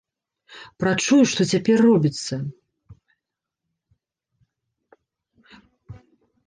Прачую, што цяпер робіцца.